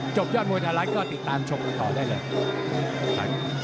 จบยอดมวยไทรท์ก็ติดตามชมต่อได้เลย